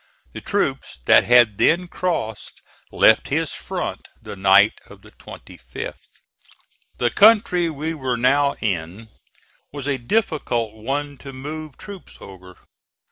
The troops that had then crossed left his front the night of the 25th. The country we were now in was a difficult one to move troops over.